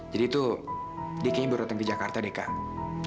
jadi tuh dia kayaknya baru datang ke jakarta deh kak